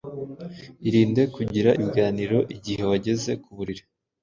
Irinde kugira ibiganiro igihe wageze ku buriri,